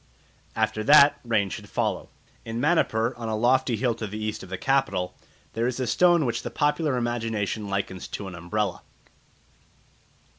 After that rain should follow. In Manipur, on a lofty hill to the east of the capital, there is a stone which the popular imagination likens to an umbrella.